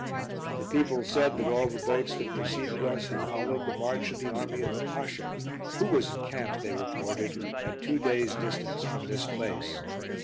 The people said that all the boats that preceded us had followed the march of the army of the Pasha, who was encamped, they reported, at two days' distance from this place.